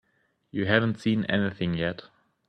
You haven't seen anything yet.